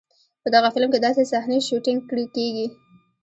په دغه فلم کې داسې صحنې شوټېنګ کېږي.